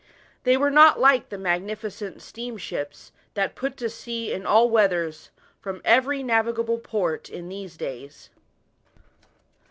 They were not like the magnificent steamships, that put to sea in all weathers from every navigable port in these days.